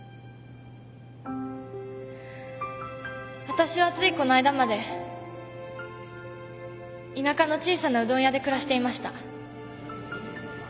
わたしはついこの間まで田舎の小さなうどん屋で暮らしていました。